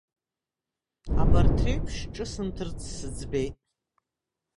Абарҭ реиԥш ҿысымҭырц сыӡбеит.